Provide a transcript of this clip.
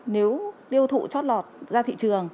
nếu lưu thụ chót lọt ra thị trường